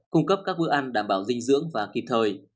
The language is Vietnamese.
cung cấp các bữa ăn đảm bảo dinh dưỡng và kịp thời